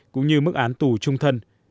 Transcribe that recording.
cũng như mức án tù trung thân